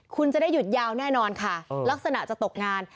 คุณจะได้หยุดยาวแน่นอนค่ะลักษณะจะตกงาน